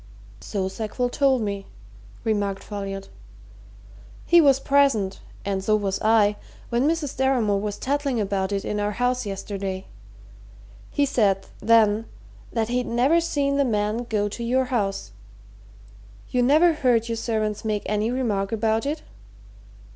"So Sackville told me," remarked Folliot. "He was present and so was I when Mrs. Deramore was tattling about it in our house yesterday. He said, then, that he'd never seen the man go to your house. You never heard your servants make any remark about it?"